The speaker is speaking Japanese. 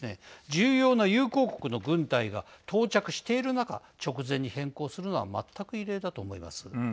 重要な友好国の軍隊が到着している中直前に変更するのは全く異例だと思います。